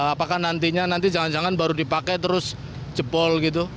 apakah nantinya nanti jangan jangan baru dipakai terus jebol gitu